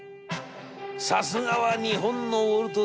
『さすがは日本のウォルト・ディズニー。